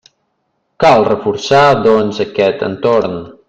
Cal reforçar, doncs, aquest entorn.